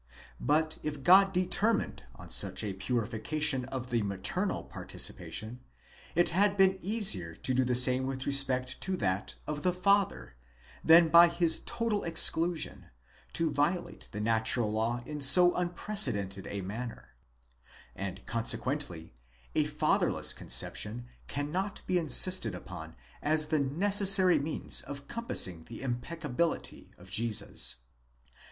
But if God determined on such a purification of the maternal participation, it had been easier to do the same with respect to that of the father, than by his total exclusion, to violate the natural law in so unprecedented a manner; and consequently, a fatherless conception cannot be insisted upon as the necessary means of compassing the impeccability of Jesus.